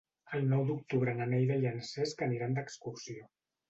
El nou d'octubre na Neida i en Cesc aniran d'excursió.